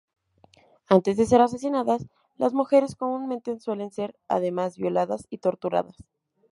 Antes de ser asesinadas, las mujeres comúnmente suelen ser, además, violadas y torturadas.